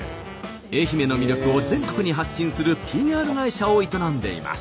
愛媛の魅力を全国に発信するＰＲ会社を営んでいます。